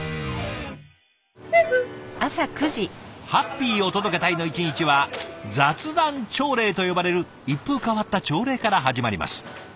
ハッピーお届け隊の一日は雑談朝礼と呼ばれる一風変わった朝礼から始まります。